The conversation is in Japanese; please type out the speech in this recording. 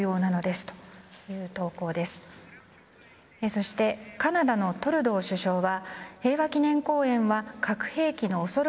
そして、カナダのトルドー首相は。